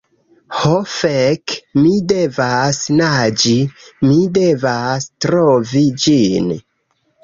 Ho fek! Mi devas naĝi, mi devas trovi ĝin.